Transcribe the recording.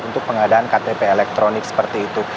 untuk pengadaan ktp elektronik seperti itu